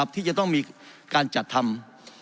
ที่จะต้องมีการจัดทำ